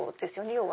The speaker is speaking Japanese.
要は。